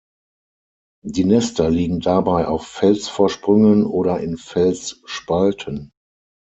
Die Nester liegen dabei auf Felsvorsprüngen oder in Felsspalten.